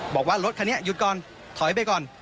บอกว่ารถคันนี้หยุดก่อนถอยไปก่อน